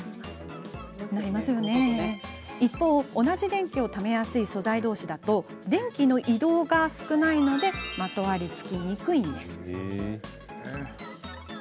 一方、同じ電気をためやすい素材どうしだと電気の移動が少ないのでまとわりつきにくいんです。